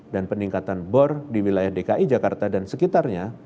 dan peningkatan bor di wilayah dki jakarta dan sekitarnya